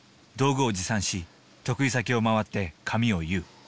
道具を持参し得意先を回って髪を結う。